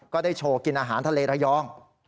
ก็ได้โชว์กินอาหารทะเลระยอง